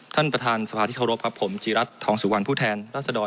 ท่านประธานสภาที่เคารพครับผมจีรัฐทองสุวรรณผู้แทนรัศดร